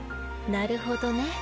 なるほどね。